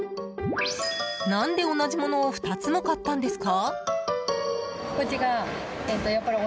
何で、同じものを２つも買ったんですか？